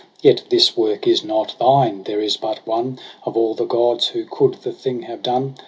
Yet this work is not thine : there is but one Of all the gods who coud the thing have done.